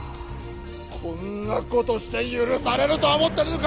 こんなことして許されると思ってるのか！